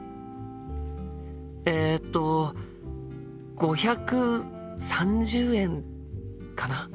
えっと５３０円かな？